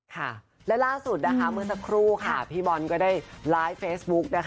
ค่ะและล่าสุดนะคะเมื่อสักครู่ค่ะพี่บอลก็ได้ไลฟ์เฟซบุ๊กนะคะ